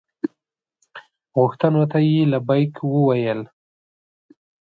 غوښتنو ته یې لبیک وویل.